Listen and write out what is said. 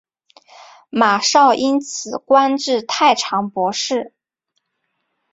马韶因此官至太常博士。